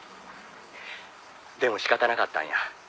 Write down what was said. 「でも仕方なかったんや」